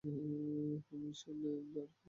এরপর মিশিয়ে দিন নারকেল ও গুড়।